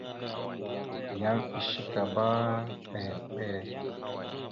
Yan eshekabámber mbere.